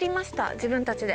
自分たちで。